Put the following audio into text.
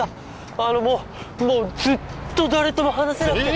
あのもうもうずっと誰とも話せなくてええ！